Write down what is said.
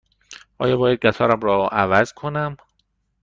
آیا باید قطارم را عوض کنم؟